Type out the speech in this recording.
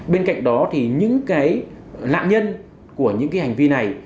bên cạnh đó thì những lạng nhân của những hành vi này